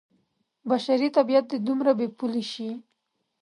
بشري طبعیت دې دومره بې پولې شي.